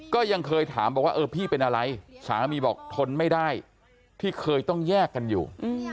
ก็ยังเคยถามบอกว่าเออพี่เป็นอะไรสามีบอกทนไม่ได้ที่เคยต้องแยกกันอยู่